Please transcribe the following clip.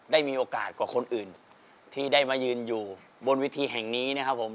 ได้มีโอกาสกว่าคนอื่นที่ได้มายืนอยู่บนวิธีแห่งนี้นะครับผม